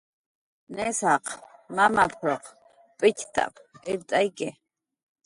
"Inisaq mamap"" ruq p'itxt""ap illtzakyi"